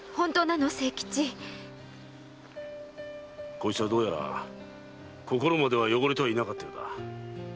こいつはどうやら心までは汚れてはいなかったようだ。